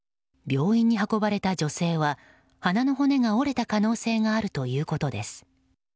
病院に運ばれた女性は鼻の骨が折れた可能性があるということです。